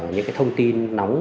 những cái thông tin nóng